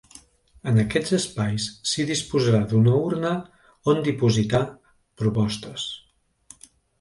En aquests espais s’hi disposarà d’una urna on dipositar propostes.